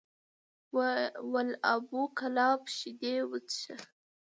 ول ابو کلاب شیدې وڅښه!